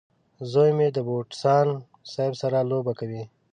زوی مې د بوسټان سیب سره لوبه کوي.